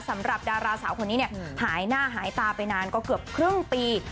สำหรับดาราสาวคนนี้เนี่ยหายหน้าหายตาไปนานก็เกือบครึ่งปี